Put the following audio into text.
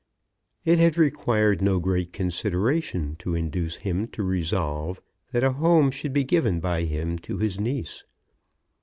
It had required no great consideration to induce him to resolve that a home should be given by him to his niece.